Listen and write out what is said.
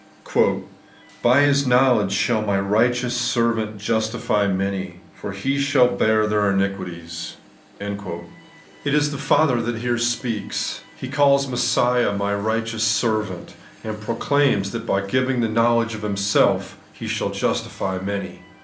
* By His knowledge shaU my righteous Servant justify many ; For He shaU bear their iniquities. ' The Declaration of the Completeness. 53 It is the Father that here speaks. He calls Messiah ' My righteous servant/ and proclaims that by giving the knowledge of Himself He shall justify many.